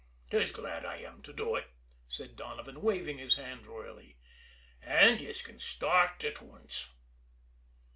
"'Tis glad I am to do ut," said Donovan, waving his hand royally. "An' yez can start in at wance."